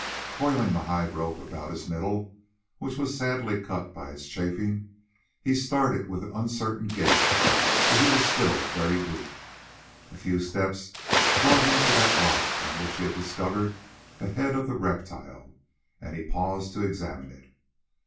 Coiling the hide rope about his middle, which was sadly cut by its chafing, he started with an uncertain gait, for he was still very weak. A few steps brought him to that rock on which he had discovered the head of the reptile, and he paused to examine it.